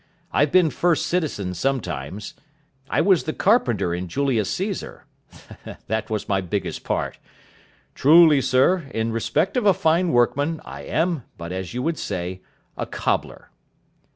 I've been First Citizen sometimes. I was the carpenter in Julius Caesar. That was my biggest part. 'Truly sir, in respect of a fine workman, I am but, as you would say, a cobbler.'